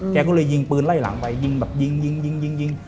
แกก็เลยยิงปืนไล่หลังไปยิงแบบยิง